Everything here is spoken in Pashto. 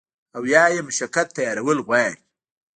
او يا ئې مشقت ته تيارول غواړي